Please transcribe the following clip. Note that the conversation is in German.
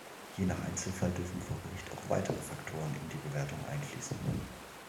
Je nach Einzelfall dürfen vor Gericht auch weitere Faktoren in die Bewertung einfließen.